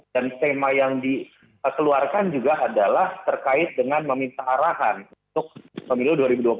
dan tema yang dikeluarkan juga adalah terkait dengan meminta arahan untuk pemilu dua ribu dua puluh empat